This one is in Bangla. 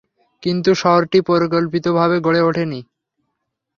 কিন্তু শহরটি পরিকল্পিতভাবে গড়ে ওঠেনি।